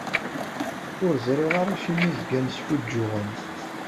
Ur ẓriɣ ara acimi zgan sfuǧǧuɣen?